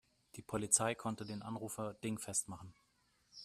Die Polizei konnte den Anrufer dingfest machen.